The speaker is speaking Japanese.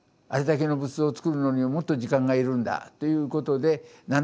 あれだけの仏像を作るのにはもっと時間が要るんだということで